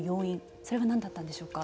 それは何だったんでしょうか。